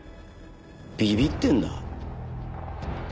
ビビってんだ。